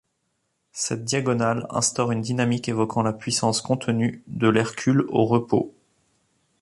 Cette diagonale instaure une dynamique évoquant la puissance contenue de l'Hercule au repos.